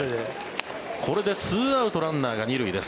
これで２アウトランナーが２塁です。